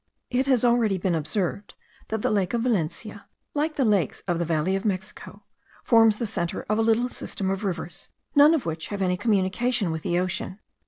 It has already been observed that the lake of Valencia, like the lakes of the valley of Mexico, forms the centre of a little system of rivers, none of which have any communication with the ocean.